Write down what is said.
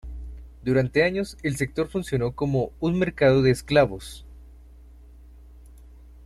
Durante años, el sector funcionó como un mercado de esclavos.